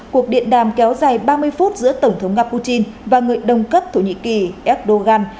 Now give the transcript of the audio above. cuộc điện đàm kéo dài ba mươi phút giữa tổng thống nga putin và người đồng cấp thổ nhĩ kỳ erdogan